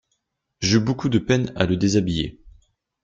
J'eus beaucoup de peine à le déshabiller.